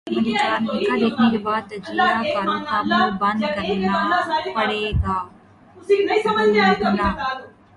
منیکارنیکا دیکھنے کے بعد تجزیہ کاروں کو منہ بند کرنا پڑے گا کنگنا